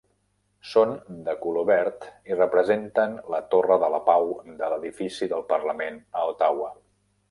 Són de color verd i representen la torre de la Pau de l'edifici del Parlament a Ottawa.